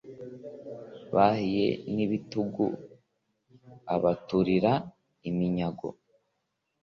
bahiye n'ibitugu abaturira iminyago